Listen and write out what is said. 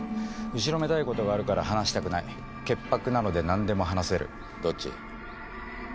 後ろめたいことがあるから話したくない潔白なので何でも話せるどっち？